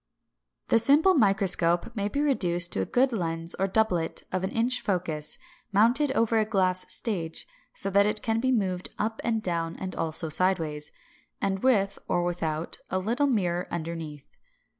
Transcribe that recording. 571. The simple microscope may be reduced to a good lens or doublet, of an inch focus, mounted over a glass stage, so that it can be moved up and down and also sidewise, and with (or without) a little mirror underneath.